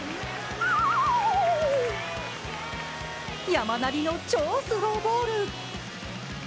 山なりの超スローボール。